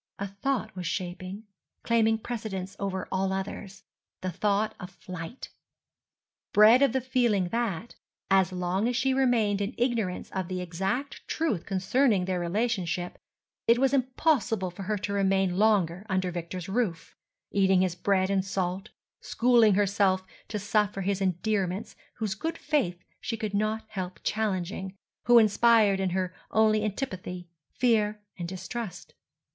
A thought was shaping, claiming precedence over all others, the thought of flight; bred of the feeling that, as long as she remained in ignorance of the exact truth concerning their relationship, it was impossible for her to remain longer under Victor's roof, eating his bread and salt, schooling herself to suffer his endearments whose good faith she could not help challenging, who inspired in her only antipathy, fear, and distrust.